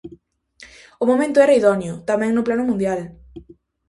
O momento era idóneo, tamén no plano mundial.